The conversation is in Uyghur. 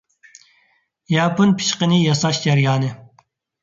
ياپون پىچىقىنى ياساش جەريانى.